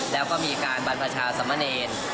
แล้วก็มีการบรรพชาสมเนร